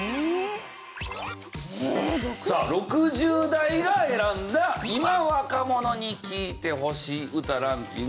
さあ６０代が選んだ今若者に聴いてほしい歌ランキング